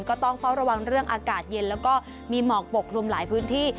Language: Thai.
ก็ต้องเฝ้าระวังเรื่องอากาศเย็นแล้วก็มีหมอกปกคลุมหลายพื้นที่